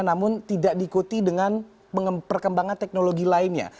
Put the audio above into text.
namun tidak diikuti dengan perkembangan teknologi lainnya